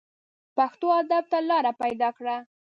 پښتو ادب ته لاره پیدا کړه